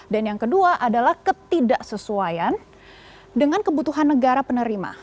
dan yang kedua adalah ketidaksesuaian dengan kebutuhan negara penerima